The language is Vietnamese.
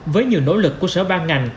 với nhiều nỗ lực của sở ban ngành